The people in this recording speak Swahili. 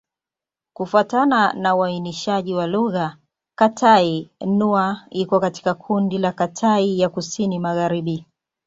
Kufuatana na uainishaji wa lugha, Kitai-Nüa iko katika kundi la Kitai ya Kusini-Magharibi.